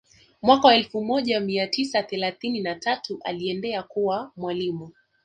Mwaka wa elfu moja mia tisa thelathinni na tatu aliendelea kuwa mwalimu